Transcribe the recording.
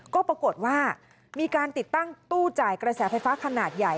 ก็ปรากฏว่ามีการติดตั้งตู้จ่ายกระแสไฟฟ้าขนาดใหญ่